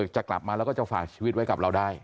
จะกลับมาแล้วก็จะฝากชีวิตไว้กับเราได้